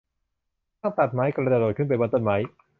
ช่างตัดไม้กระโดดขึ้นไปบนต้นไม้